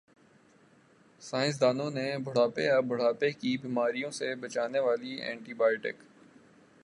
سائنسدانوں نےبڑھاپے یا بڑھاپے کی بیماریوں سے بچانے والی اینٹی بائیوٹک